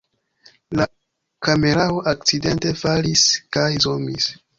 La kamerao akcidente falis kaj zomis